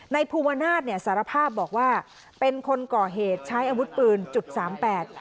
ภูวนาศเนี่ยสารภาพบอกว่าเป็นคนก่อเหตุใช้อาวุธปืนจุดสามแปด